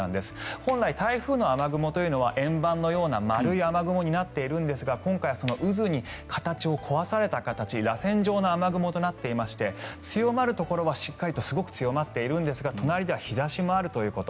本来、台風の雨雲というのは円盤のような丸い雨雲になっているんですが今回は渦に形を壊された形らせん状の雨雲となっていまして強まるところはしっかりとすごく強まっているんですが隣では日差しもあるということ。